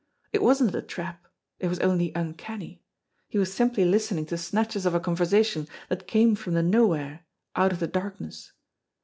It wasn't a trap. It was only uncanny. He was simply lis tening to snatches of a conversation that came from the nowhere, out of the darkness.